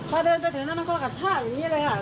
พอเดินไปถึงนั้นมันก็กระชากอย่างนี้เลยค่ะ